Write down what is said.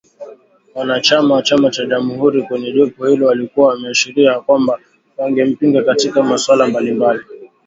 Wanachama wa chama cha jamhuri kwenye jopo hilo walikuwa wameashiria kwamba wangempinga katika masuala mbalimbali